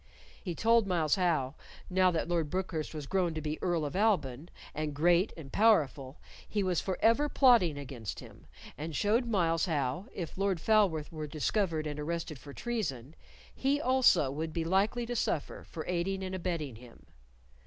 He told Myles how, now that Lord Brookhurst was grown to be Earl of Alban, and great and powerful, he was forever plotting against him, and showed Myles how, if Lord Falworth were discovered and arrested for treason, he also would be likely to suffer for aiding and abetting him.